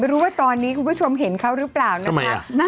รู้ว่าตอนนี้คุณผู้ชมเห็นเขาหรือเปล่านะคะ